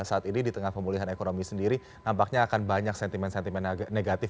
saat ini di tengah pemulihan ekonomi sendiri nampaknya akan banyak sentimen sentimen negatif